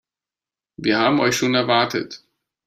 Wir haben euch schon erwartet.